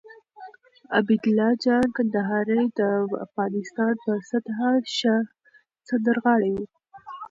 عبیدالله جان کندهاری د افغانستان په سطحه ښه سندرغاړی وو